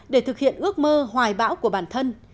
để thực hiện ước mơ hoài bão của bản thân